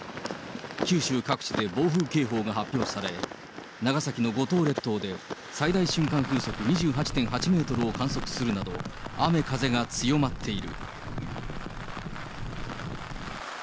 九州各地で暴風警報が発表され、長崎の五島列島で最大瞬間風速２８．８メートルを観測するなど、雨風が強まっている。